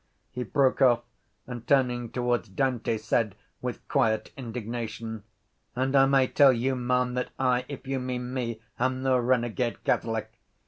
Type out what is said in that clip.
He broke off and, turning towards Dante, said with quiet indignation: —And I may tell you, ma’am, that I, if you mean me, am no renegade catholic.